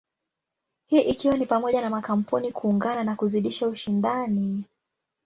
Hii ikiwa ni pamoja na makampuni kuungana na kuzidisha ushindani.